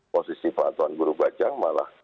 posisi pak tuan guru bajang malah